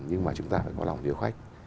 nhưng mà chúng ta phải có lòng yêu khách